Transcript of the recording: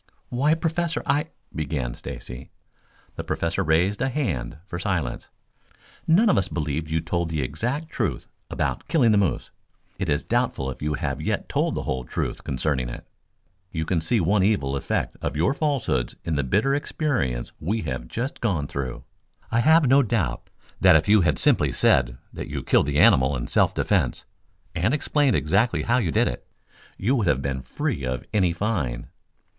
"Why, Professor, I " began Stacy. The Professor raised a hand for silence. "None of us believed you told the exact truth about killing the moose. It is doubtful if you have yet told the whole truth concerning it. You can see one evil effect of your falsehoods in the bitter experience we have just gone through. I have no doubt that if you had simply said that you killed the animal in self defense and explained exactly how you did it, you would have been free of any fine.